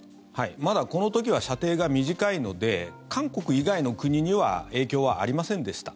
まだこの時は射程が短いので韓国以外の国には影響はありませんでした。